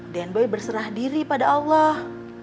den boy berserah diri pada allah